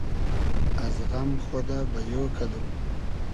از غئم خودۂ بئیۉ کئدوم